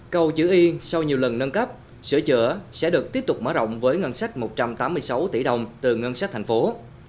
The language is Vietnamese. cầu chữ y sau nhiều lần nâng cấp sửa chữa sẽ được tiếp tục mở rộng với ngân sách một trăm tám mươi sáu tỷ đồng từ ngân sách thành phố